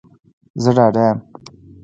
زه ډاډه یم